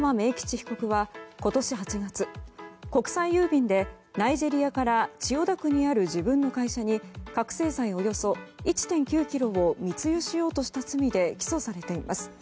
被告は今年８月、国際郵便でナイジェリアから千代田区にある自分の会社に覚醒剤およそ１．９ｋｇを密輸しようとした罪で起訴されています。